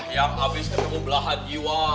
yang abis bertemu belahan jiwa